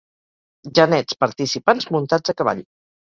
Genets participants muntats a cavall.